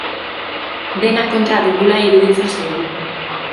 Dena kontra dugula iruditzen zaigu.